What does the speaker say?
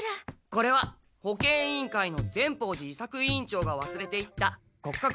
これは保健委員会の善法寺伊作委員長がわすれていった骨格